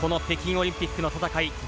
北京オリンピックの戦い